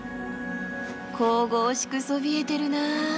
神々しくそびえてるな。